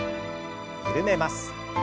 緩めます。